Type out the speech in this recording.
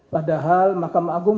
padahal mahkamah agung